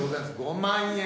５万円。